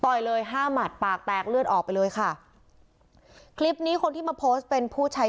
ยเลยห้าหมัดปากแตกเลือดออกไปเลยค่ะคลิปนี้คนที่มาโพสต์เป็นผู้ใช้